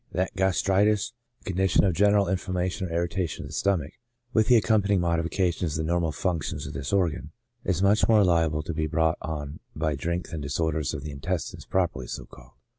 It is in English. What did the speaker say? that gastritis^ a con dition of general inflammation or irritation of the stomach, with the accompanying modifications of the normal func tions of this organ, is much more hable to be brought on by drink than disorders of the intestines properly so called.